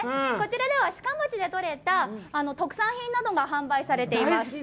こちらでは志賀町で取れた特産品などが販売されています。